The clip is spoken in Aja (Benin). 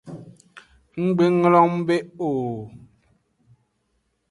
Nggbe nglongbe o.